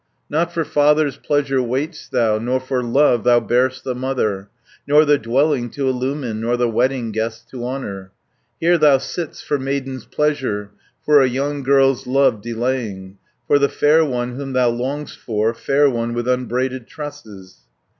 "Not for father's pleasure wait'st thou, Nor for love thou bear'st the mother, Nor the dwelling to illumine, Nor the wedding guests to honour; Here thou sit'st for maiden's pleasure, For a young girl's love delaying, For the fair one whom thou long'st for, Fair one with unbraided tresses.